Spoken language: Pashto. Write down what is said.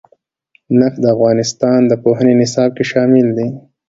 نفت د افغانستان د پوهنې نصاب کې شامل دي.